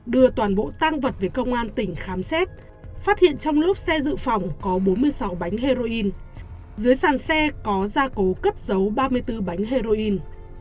đưa toàn bộ tang vật về công an tỉnh khám xét phát hiện trong lúc xe dự phòng có bốn mươi sáu bánh heroin dưới sàn xe có gia cố cất giấu ba mươi bốn bánh heroin